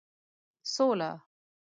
سوله